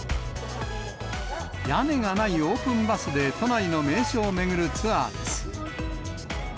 屋根がないオープンバスで都内の名所を巡るツアーです。